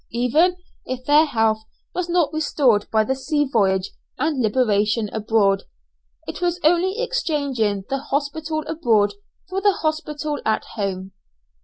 Even if their health was not restored by the sea voyage and liberation abroad, it was only exchanging the hospital abroad for the hospital at home.